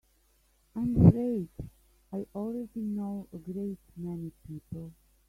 I'm afraid I already know a great many people.